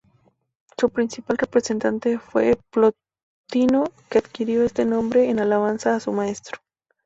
Su principal representante fue Plotino, que adquirió este nombre en alabanza a su maestro.